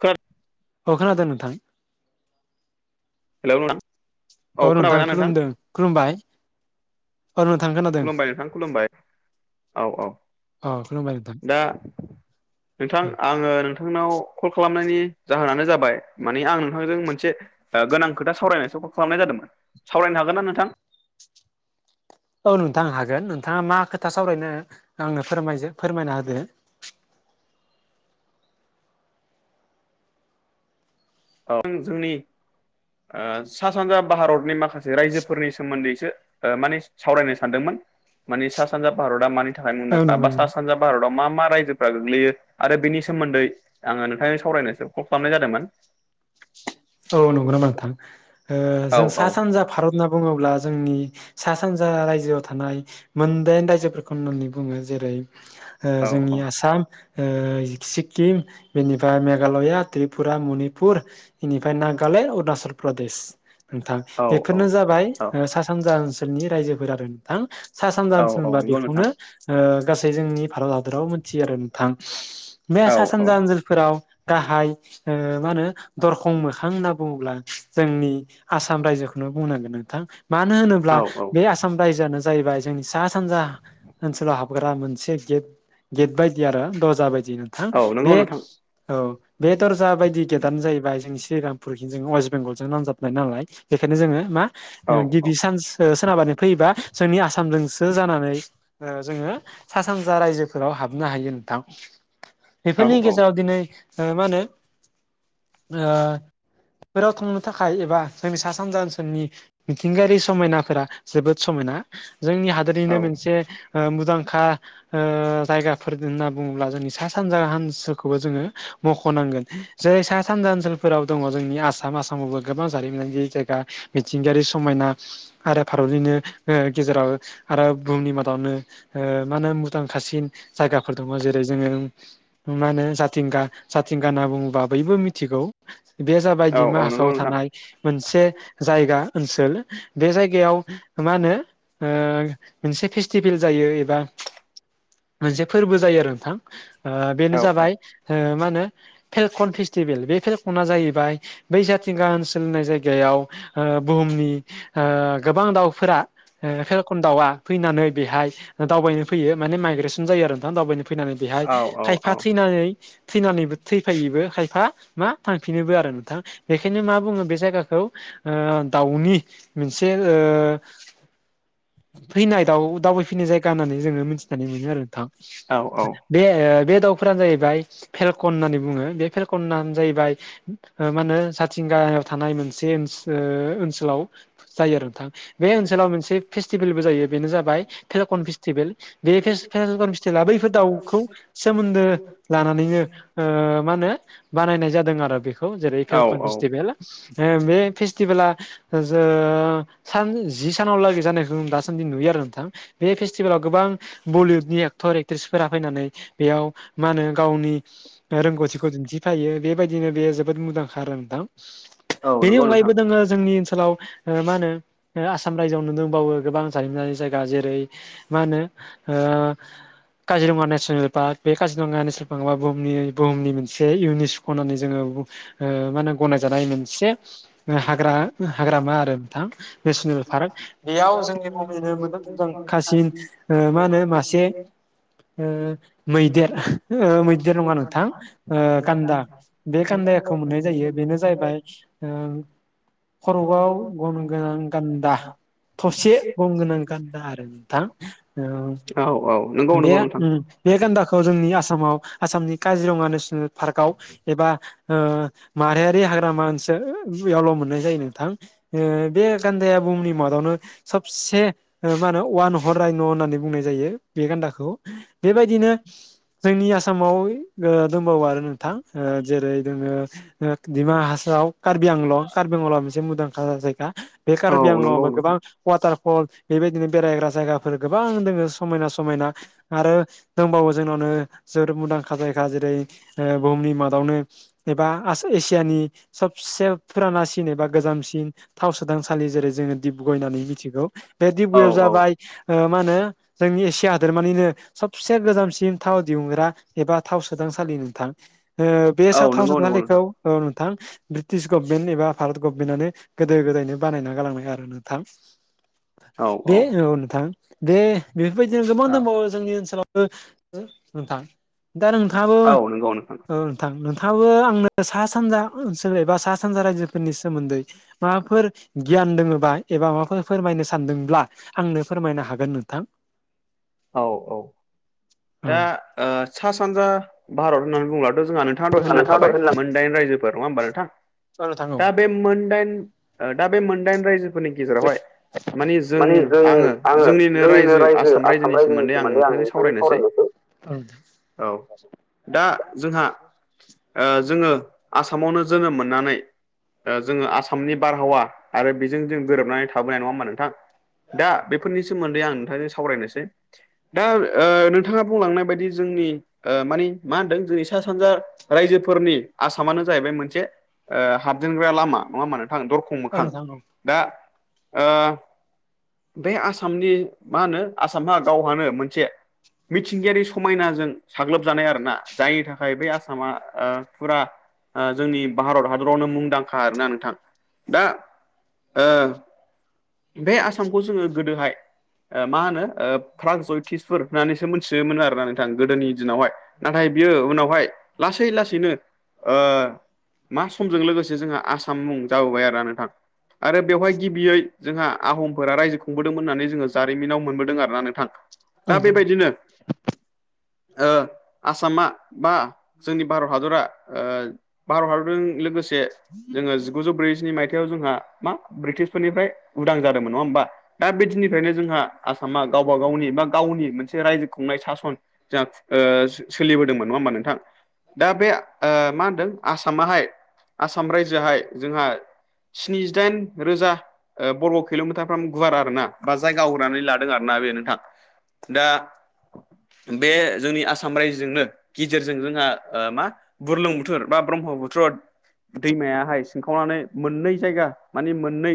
खो औ खोनादों नोंथां। हेलौ नोंथां। औ नोंथां खुलुमदों। खुलुमबाय औ नोंथां खो खुलुमबाय नोंथां खुलुमबाय। औ औ। औ खुलुमबाय नोंथां दा नोंथां आङो नोंथांनाव कल खालामनायनि जाहोनानो जाबाय माने आं नोंथांजों मोनसे आ गोनां खोथा सावरायनाय खालामनाय जादोंमोन सावरायनो हागोन ना नोंथां? औ नोंथां हागोन। नोंथाङा मा खोथा सावरायनो आंनो फोरमायजो फोरमायना होदो। औ जोंनि सा सानजा भारतनि माखासे रायजोफोरनि सोमोन्दैसो माने सावरायनो सानदोंमोन। माने सा सानजा भारतआ मानि थाखाय औ मुंदांखा नंगौ बा सा सानजा भारताव मा मा रायजोफ्रा गोग्लैयो आरो बेनि सोमोन्दै आङो नोंथांजों सावरायनोसो कल खालामनाय जादोंमोन। औ नंगौ नामा नोंथां? औ जों सा सानजा भारत होनना बुङोब्ला जोंनि सा सानजा रायजोआव थानाय मोनदाइन रायजोफोरखौ होननानै बुङो। जेरै ओ औ जोंनि आसाम, ओ सिक्किम बेनिफ्राय मेघालया, त्रिपुरा, मनिपुर बेनिफ्राय नागालेण्ड, अरुणाचल प्रदेश नोंथां औ औ बेफोरनो जाबाय औ ओ सा सानजा ओनसोलनि रायजोफोर आरो नोंथां। सा सानजा औ ओनसोल औ होनबा नंगौ नोंथां बेखौनो ओ गासै जोंनि भारत हादराव मोनथियो आरो नोंथां। बे औ सा औ सानजा ओनसोलफोराव गाहाय ओ मा होनो दरखं मोखां होनना बुङोब्ला जोंनि आसाम रायजोखौनो बुंनांगोन नोंथां। मानो होनोब्ला औ औ बे आसा साम रायजोआनो जाहैबाय जोंनि सा सानजा ओनसोलाव हाबग्रा मोनसे गेट। गेट बायदि आरो दर्जा बायदि नोंथां। औ नंगौ बे नोंथां औ बे दर्जा बायदि गेटानो जाय बाय जोंनि श्रीरामपुर जों अवेस्ट बेंगलजों नांजाबनाय नालाय, बेखायनो जोङो मा औ ओ औ गिबि सान ओ सोनाब आरि फैयोबा जोंनि आसामजोंसो जानानै ओ जोङो सा-सानजा रायजोफोराव हाबनो हायो नोंथां। औ बेफोरनि औ गेजेराव दिनै ओ मा होनो आ फोराव थांनो थाखाय एबा जोंनि सा सानजा ओनसोलनि मिथिंगायारि समायनाफोरा जोबोद समायना जोंनि औ हादरैनो मोनसे ओ मुंदांखा ओ जायगाफोर होनना बुङोब्ला जोंनि सा सानजा हान्सोलखौ जोङो मख'नांगोन जे सा सानजा ओनसोलफोराव दङ जोंनि आसाम आसामावबो गोबां जारिमिनारि जायगा मिथिंगायारि समायना। आरो भारतनिनो ओ गेजेराव आरो बुहुमनि मादावनो ओ मा होनो भुटान खासिम जायगाफोर दङ जेरै जोङो मा होनो जाथिंगा जाथिंगा होनना बुङोबा बयबो थिगौ बे जाबाय औ औ नंगौ दिमाहासावआव नोंथां थानाय मोनसे जायगा ओनसोल बे जायगायाव मा होनो? ओ मोनसे फेस्टिभेल जायो एबा मोनसे फोरबो जायो आरो नोंथां ओ बेनो औ औ जाबाय ओ मा होनो फेलकन फिस थिभेल बे फेलकना जाहैबाय बै जाथिंगा ओनसोलनाय जायगायाव ओ बुहुमनि ओ गोबां दाउफोरा ओ फेरकन दाउआ फैनानै बेहाय दावबायनो फैयो माने माइग्रेसन जायो आरो नोंथां दावबायनो फैनानै बेहाय औ औ खायफा थैनानै थैनानैबो थैफायोबो खायफा मा थांफिनोबो आरो नोंथां बेखायनो मा बुङो बे जायगाखौ ओ दाउनि मोनसे ओ फैनाय दाव दावबायफैनाय जायगा होननानै जोङो मिथिनानै मोनो आरो नोंथां। औ औ बे ओ बे दाउफोरानो जाहैबाय फेलकन होननानै बुङो बे फेलकनानो जाहैबाय मा होनो जाथिंगायाव थानाय मोनसे ओ ओनसोलाव जायो आरो नोंथां बे ओनसोलाव मोनसे फेस्टिभेलबो जायो बेनो जाबाय फेलकन फेस्टिभेल। बे फेस-फेल्कन फेस्टिभेला बैफोर दाउखौ सोमोन्दो लानानैनो ओ मा होनो? नायनाय जादों आरो बेखौ जेरै फेल्कन फेस्टिभेल ओ बे फेस्टिभेला जो सान जि सानावलागै जानायखौ दासान्दि नुयो आरो नोंथां। बे फेस्टिभेलाव गोबां बलिउदनि एक्टर एक्ट्रिसफोरा फैनानै बेयाव मा होनो गावनि रोंगौथिखौ दिन्थिफायो बेबायदिनो बेयो जोबोद मुंदांखा आरो नोंथां। औ बेनि नंगौ नोंथां अनगायैबो दोङो जोंनि ओनसोलाव ओ मा होनो ओ आसाम रायजोआव नो दंबावो गोबां जारिमिनारि जायगा जेरै मा होनो ओ काजिरङा नेसनेल पार्क बे काजिरङा नेसनेलार्कआ बुमनि बुहुमनि मोनसे इउनिसकनानै जोङो मा होनो गनाय जानाय मोनसे हाग्रा हाग्रामा आरो नोंथां। नेसनेल पार्क बेयाव जोंनि बुहुमनिनो मोजांखासिन ओ माहोनो मासे ओ मैदेर मैदेर नङा नोंथां ओ ओ गान्दा बे गान्दाखौ मोननाय जायो बेनो जाहैबाय ओ खरआव गं गोनां गान्दा थसे गंगोनां गान्दा आरो नोंथां ओ औ औ नंगौ बे नंगौ नोंथां उम बे गान्दाखौ जोंनि आसामाव आसामनि काजिरङा नेसनेल पार्कआव एबा औ माहारियारि हाग्रामा ओनसोलयावल' मोननाय जायो नोंथां। ओ बे गान्दाया भुमनि मादावनो सबसे मा होनो वान हर्न रायन' होननानै बुंनाय जायो बे गान्दाखौ। बेबायदिनो जोंनि आसामाव ओ खौ आरो नोंथां जेरै जोङो डिमा हासाव कारबि आंलं कार्बि आंलंआ मोनसे मुंदांखा जायगा बे औ कारबि नंगौ आंलंआवबो गोबां नोंथां वाटार फल बेबायदिनो बेरायग्रा जायगाफोर गोबां दोङो समायना समायना आरो दंबावो जोंनावनो जोबोर मुंदांखा जायगा जेरै ओ बुहुमनि मादावनो एबा आसे एसियानि सबसे फुरानासिन एबा गोजामसिन थाव सोदांसालि जेरै जोङो दिबगय होननानै मिथिगौ बे औ दिबगयाव औ जाबाय ओ मा होनो जोंनि एसिया हादोरमानिनो सबसे गोजामसिन थाव दिहुनग्रा एबा थाव सोदांस सालि नोंथां ओ बे औ साथाव नंगौ नंगौ जोबलिखौ नोंथां औ नोंथां। ब्रिटिश गभमेन्ट एबा भारत गभमेन्टआनो गोदो गोदायनो बानायना गालांनाय आरो नोंथां। बे औ नोंथां दे बेफोरबायदिया गोबां औ दोंबावो जोंनि ओनसाव बो ओ नोंथां दा नोंथाङाबो आव नोंगौ नोंथां औ नोंथां नोंथाङाबो आंनो सा सानजा ओनसोल एबा सा सानजा रायजोफोरनि सोमोन्दै माबाफोर गियान दोङोबा एबा माबाफोर फोरमायनो सानदोंब्ला आंनो फोरमायनो हागोन नोंथां औ औ दा औ ओ सा सानजा भारत होननानै बुंब्लाथ' जोंहा नों थाङा दहाय नोंथाङा होनलांखाबाय होनलां मोनदाइन रायजोफोर नङा होमबा नोंथां औ नोंथां औ दा बे मोनदाइन ओ दा बे मोनदाइन रायजोफोरनि गेजेरावहाय मानि जों आङो जोंनिनो रायजो आसाम रायजोनि सोमोन्दै आं नोंथांनि सावरायनोसै औ दा जोंहा ओ जोङो आसामावनो जोनोम मोननानै दा जोङो आसामनि बारहावा आरो बिजों जों गोरोबनानै थाबोनाय नङा होमबा नोंथां दा बेफोरनि सोमोन्दै आं नोंथांजों सावरायनोसै दा ओ नोंथाङा बुंलांनाय बायदि जोंनि ओ मानि मा होनदों जोंनि सा सानजा रायजोफोरनि आसामानो जाहैबाय मोनसे ओ हाबजेनग्रा लामा नङा होमबा नोंथां दरख' खं मोखां नोंथां औ दा ओ बे आसामनि मा होनो आसामहा गावहानो मोनसे मिथिंगायारि समायनाजों साग्लोबजानाय आरो ना जायनि थाखाय बै आसामा ओ फुरा आ जोंनि भारत हादरावनो मुंदांखा आरोना नोंथां दा ओ बे आसामखौ जोङो गोदोहाय ओ मा होनो ओ फ्राग जतिसफोर होननानैसो मिथियोमोन आरोना नोंथां गोदोनि दिनावहाय नाथाय बियो उनावहाय लासै लासैनो ओ मा समजों लोगोसे जोंहा आसाम मुं जाबोबाय आरोना नोंथां आरो बेवहाय गिबियै जोंहा आहमफोरा रायजो खुंबोदोंमोन होननानै जोङो जारिमिनाव मोनबोदों आरो ना नोंथां औ दा नोंथां औ नोंथां बेबायदिनो ओ आसामा बा जोंनि भारत हादरा ओ भारत हादरजों लोगोसे थे जोङो जिगुजौ ब्रैजिनै मायथाइयाव जोंहा मा ब्रिटिसफोरनिफ्राय उदां जादोंमोन नङा होमबा दा बे दिननिफ्रायनो जोंहा आसामा गावबा गावनि बा गावनि मोनसे रायजो खुंनाय सासन जोंहा ओ सोलिबोदोंमोन नङा होमबा नोंथां दा बे ओ मा होनदों आसामाहाय आसाम रायजोआहाय जोंहा स्निजिदाइन रोजा ओ बर' किल'मिटारफ्राम गुवार आर ना बा जायगा होनानै लादों आर ना बे नोंथां दा बे जोंनि आसाम रायजोजोंनो गेजेरजों जोंहा ओ मा बुरलुं बुथुर बा ब्रह्मबुत्र्द दैमायाहाय सिनखावनानै मोननै जायगा मानि मोननै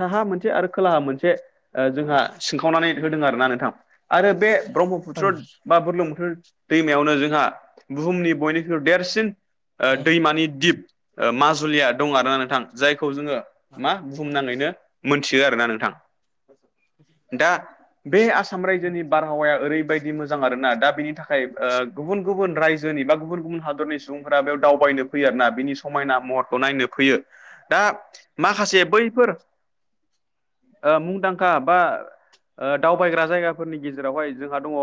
साहा मोनसे आरो खोलाहा मोनसे ओ जोंहा सिनखावनानै होदों आरो ना नोंथां आरो बे औ ब्रह्मपुत्र बा बुरलुं बुथुर दैमायावनो जोंहा बुहुमनि बयनिख्रुइबो देरसिन ओ दैमानि दिप आ माजुलिया दं आरोना नोंथां जायखौ जोङो मा बुहुमनाङैनो मोनथियो आरोना नोंथां [inaudible] दा बे आसा रायजोनि बारहा हावाया ओरैबायदि मोजां आरो ना दा बिनि थाखाय ओ गुबुन गुबुन रायजोनि बा गुबुन गुबुन हादरनि बुंफोरा बेयाव दावबायनो फैयो आरोना बिनि स समायना महरखौ नायनो फैयो दा माखासे बैफोर ओ मुंदांखा बा ओ दावबायग्रा जायगाफोरनि गेजेरावहाय जोंहा दङ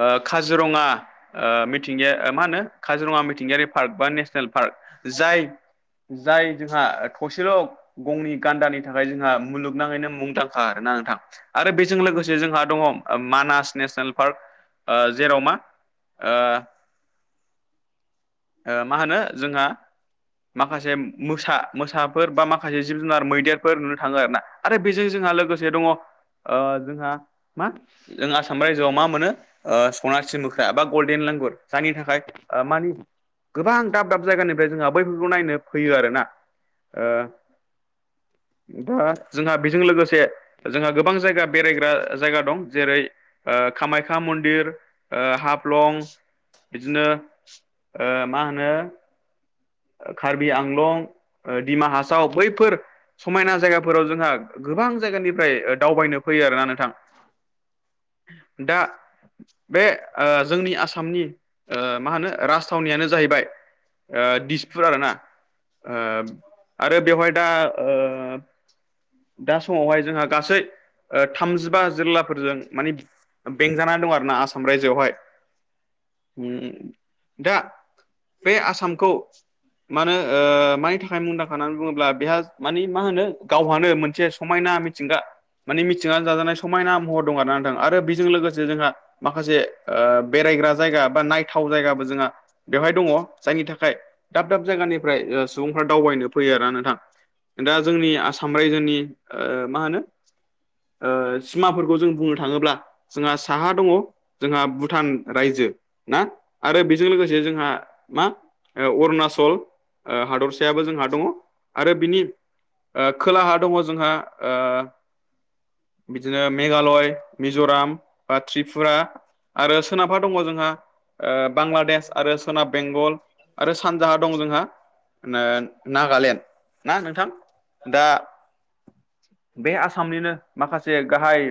ओ काजिरङा ओ मिथिंगाया मा होनो काजिरङा मिथिंगायारि पार्क बा नेस हेल पार्क जाय जाय जोंहा थसेल' गंनि गान्दानि थाखाय जोंहा मुलुगनाङैनो मुंदांखा आर ना नोंथां आरो बेजों लोगोसे जों दङ मानास नेसनेल पार्क जेराव मा [inaudible] मा होनो जोंहा माखासे मोसा मोसाफोर बा माखासे जिब जुनार मैदेरफोर नुनो थाङो आरो ना आरो बेजों जोंहा लोगोसे दङ जोंहा मा जों आसाम रायजोआव मा मोनो ओ सनासि मोख्रा बा गल्डेन लेंगुर जायनि थाखाय मानि गोबां दाब दाब जायगानिफ्राय जोंहा बैफोरखौ नायनो फैयो आरोना दा जोंहा बेजों लोगोसे जोंहा गोबां जायगा बेरायग्रा जायगा दं जेरै कामाख्या मन्दिर हाफ्लं बिदिनो ओ मा होनो कार्बि आंलं दिडिमा हासाव बैफोर समायना जायगाफोराव जोंहा गोबां जायगानिफ्राय दावबायनो फैयो आरोना नोंथां दा बे जोंनि आसामनि मा होनो राजथावनियानो जाहैबाय ओ दिस पुर आरोना ओ आरो बेवहाय दा दा समावहाय जोंहा गासै थामजिबा जिल्लाफोरजों माने बेंजाना दं आरो ना आसाम रायजोआवहाय [unintelligible] दा बे आसामखौ मानो मानि थाखाय मुंदांखा होननानै बुङोब्ला बेहा मानि मा होनो गावहानो मोनसे समायना मिथिंगा माने मिथिंङा जाजानाय समायना महर दं आरोथां आरो बेजों लोगोसे जोंहा माखासे माखासे बेरायग्रा जायगा बा नायथाव जायगाबो जोंहा बेवहाय दङ जायनि थाखाय दाब दाब जायगानिफ्राय सुबुंफ्रा दावबायनो फैयो आरो ना नोंथां दा जोंनि आसाम रायजोनि ओ मा होनो सिमाफोरखौ जों बुंनो थाङोब्ला जोंहा साहा दङ जोंहा भुटान रायजो ना आरो बेजों लोगोसे जोंहा मा अरुणचल हादरसायाबो जोंहा दङ आरो बिनि खोलाहा दङ जोंहा बिदिनो मेघालय मिज'राम बा त्रिपुरा आरो सोनाबहा दङ जोंहा बांलादेश आरो सोनाब बेंगल आरो सान जागा दं जोंहा नागालेण्ड ना नोंथां दा [inaudible] बे आसामनिनो माखासे गाहाय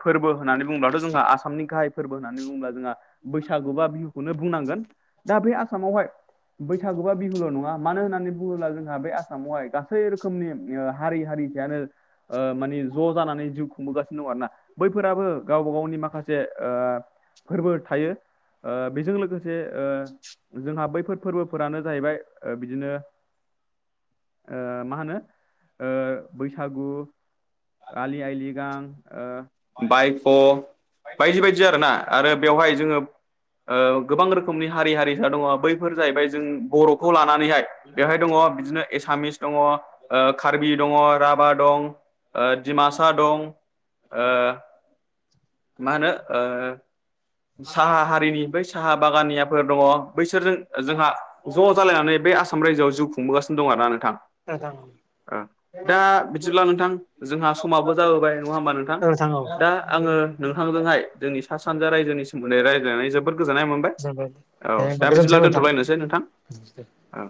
फोरबो होननानै बुङब्लाथ' जोंहा आसामनि गाहाय फोरबो होननानै बुङोब्ला जोंहा बैसागा बिहुखौनो बुंनांगोन दा बे आसामावहाय बैसागुबा बिहुल' नङा मानो होननानै बुङोब्ला जोंहा बे आसामावहाय गासै रोखोमनि हारि हारि बेयानोओ मानिे ज' जानानै जिउ खुंबोगासिनो दं आरो ना बैफोराबो गावबा गावनि माखासे फोरबो थायो ओ बेजों लोगोसे ओ जोंहा बैफोर फोरबोफोरानो जाहैबाय बिदिनो मा होनो बैसागु आलि आइलि गां बायफ' बायदि बायदि आरो ना आरो बेवहाय जोङो गोबां रोखोमनि हारि हारि ज दङ बैफोर जाहैबाय जों बर'खौ लानानैहाय बेवहाय दङ बिदिनो एसामिस दङ कार्बि दङ राभा दं दिडिमासा दं ओ मा होनो ओ साहा हारिनि बै साहा बागानियाफोर दङ बैसोरजों जोंहा ज' जालायनानै बे आसाम रायजोआव जिउ खुंबोगासिनो दं आरो ना नोंथां [unintelligible] दा बिदिब्ला नोंथां जोंहा समाबो जाबोबाय नङा होमबा नोंथां औ औ दा आङो नोंथांजोंहाय जोंनि सा सानजा रायजोनि सोमोन्दै रायज्लायनानै जोबोद गोजोननाय मोनबाय दे औ होमबा गोजोनथों नोंथां [unintelligible] नोंथां औ